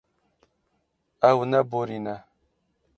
Ew neborîne.